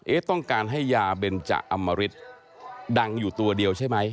ต้องการให้ยาเบนจะอมริตดังอยู่ตัวเดียวใช่ไหม